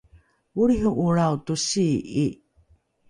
olriho’olrao tosii’i